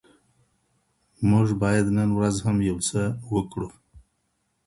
موږ بايد نن ورځ هم يو څه وکړو.